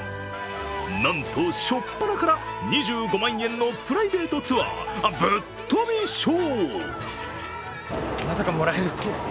なんと初っぱなから２５万円のプライベートツアーぶっとび賞。